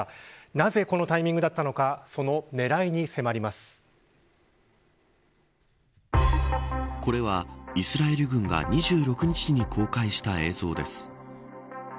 なぜ、このタイミングだったのかこれは、イスラエル軍が２６日に公開した映像です。